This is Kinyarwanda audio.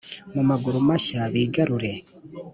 mu maguru mashya bigarure